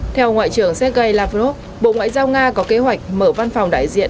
theo ngoại trưởng sergei lavrov bộ ngoại giao nga có kế hoạch mở văn phòng đại diện